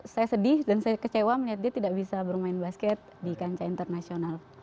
saya sedih dan saya kecewa melihat dia tidak bisa bermain basket di kancah internasional